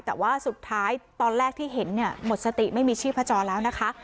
แต่ว่าสุดท้ายตอนแรกที่เห็นเนี่ยหมดสติไม่มีชีพจรแล้วนะคะ